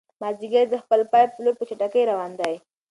مازیګر د خپل پای په لور په چټکۍ روان دی.